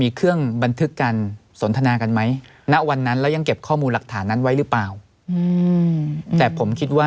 แต่ผมคิดว่าไม่น่ามี